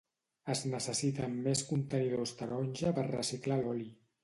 Es necessiten més contenidors taronja per reciclar l'oli